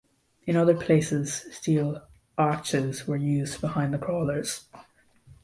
In other places, steel "arches" were used behind the crawlers.